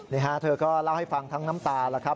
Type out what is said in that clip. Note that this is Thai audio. นี่เขาก็เล่าให้ฟังทั้งน้ำตาละครับ